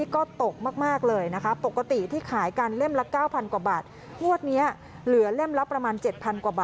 คนบางคนกลัวก็อยู่ก่อบ้านอย่างฉันนี่ฉันกลัว